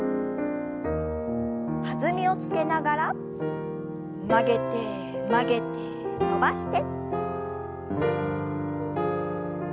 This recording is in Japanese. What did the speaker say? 弾みをつけながら曲げて曲げて伸ばして。